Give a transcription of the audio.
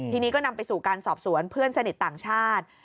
ทีนี้ก็นำไปสู่การสอบสวนเพื่อนสนิทต่างชาติ